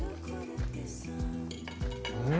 うん！